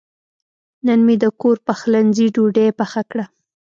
نن مې د کور پخلنځي ډوډۍ پخه کړه.